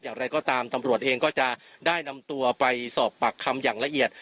อย่างไรก็ตามตำรวจเองก็จะได้นำตัวไปสอบปากคำอย่างละเอียด